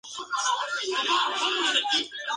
Lo cual los motivó a dedicarse a la música más en serio.